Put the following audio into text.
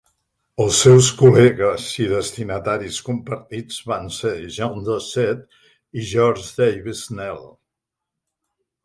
Els seus col·legues i destinataris compartits van ser Jean Dausset i George Davis Snell.